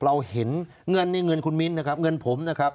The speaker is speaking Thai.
เราเห็นเงินในเงินคุณมิ้นนะครับเงินผมนะครับ